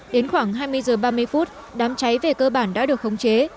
đến khoảng hai mươi h ba mươi phút đám cháy về cơ bản đã được khống chế